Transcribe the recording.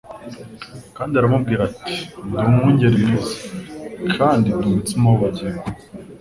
Kandi aratubwira ati : "Ndi Umwurugeri mwiza" kandi " Ndi umutsima w'ubugingo.